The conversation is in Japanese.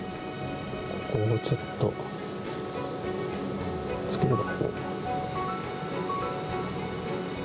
ここをちょっとくっつけるか。